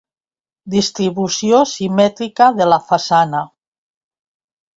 Distribució simètrica de la façana.